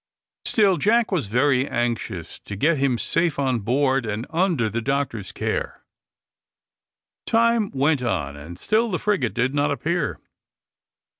Still Jack was very anxious to get him safe on board, and under the doctor's care. Time went on, and still the frigate did not appear.